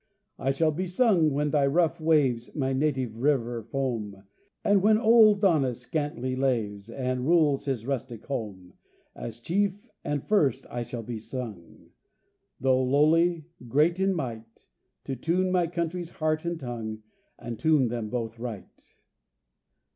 T shall be sung when thy rough waves, y My native river, foam, And when old Daunus scantly laves bo (oP) bo John H. Mitchell—Oregon — And rules his rustic home— As chief and first I shall be sung, Though lowly, great in might, To tune my country's heart and tongue, And tune them both aright.